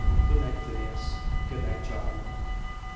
"Good night, Phineas." "Good night, John."